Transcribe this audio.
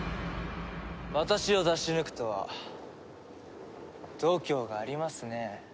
私を出し抜くとは度胸がありますねえ。